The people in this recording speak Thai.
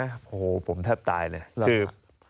โอ้โหผมแทบตายเนี่ย